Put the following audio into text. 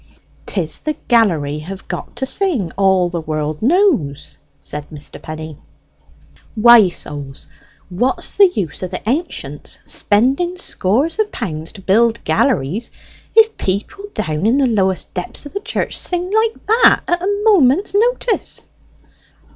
"'Tis the gallery have got to sing, all the world knows," said Mr. Penny. "Why, souls, what's the use o' the ancients spending scores of pounds to build galleries if people down in the lowest depths of the church sing like that at a moment's notice?"